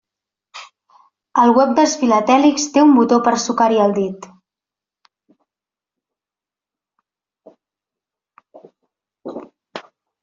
El web dels filatèlics té un botó per sucar-hi el dit.